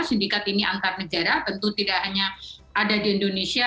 sindikat ini antar negara tentu tidak hanya ada di indonesia